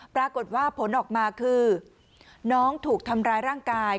ปรากฏว่าผลออกมาคือน้องถูกทำร้ายร่างกาย